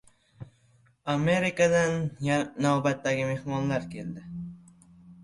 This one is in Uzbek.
Amerikadan navbatdagi mehmonlar keldi